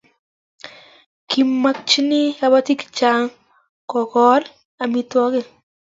Ki makchini kabatik chechang' ko kole amitwogik